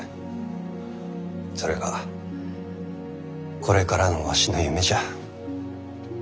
それがこれからのわしの夢じゃ。